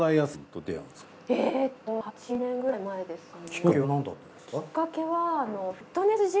えと８年くらい前ですかね。